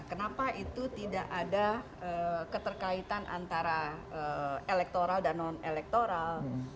kenapa itu tidak ada keterkaitan antara elektoral dan non elektoral